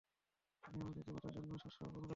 আমি আমাদের দেবতার জন্য শস্য বপন করেছি।